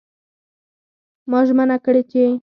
ما ژمنه کړې چې